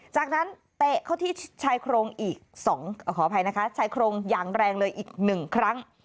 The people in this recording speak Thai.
จากนั้นเตะเข้าที่ชายโครงอีก๒ขออภัยนะคะชายโครงอย่างแรงเลยอีก๑ครั้ง